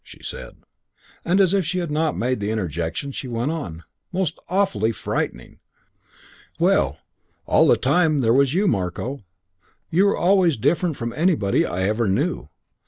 she said. And as if she had not made the interjection she went on, "Most awfully frightening. Well, all the time there was you, Marko. You were always different from anybody I ever knew.